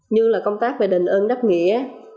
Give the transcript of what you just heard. như công tác về đình ơn đáp nghĩa